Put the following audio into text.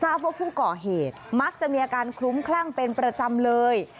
ว่าผู้ก่อเหตุมักจะมีอาการคลุ้มคลั่งเป็นประจำเลย